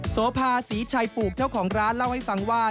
โสภาศรีชัยปลูกเจ้าของร้านเล่าให้ฟังว่า